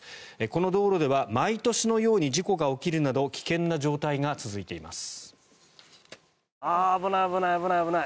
この道路では毎年のように事故が起きるなど危険な状態が続いています。